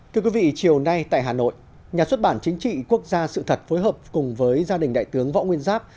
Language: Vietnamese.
thưa quý vị chiều nay tại hà nội nhà xuất bản chính trị quốc gia sự thật phối hợp cùng với gia đình đại tướng võ nguyên giáp